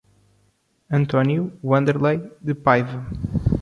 Antônio Wanderley de Paiva